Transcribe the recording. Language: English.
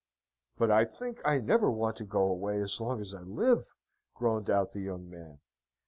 "But I think I never want to go away as long as I live," groaned out the young man.